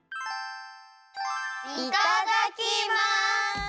いただきます！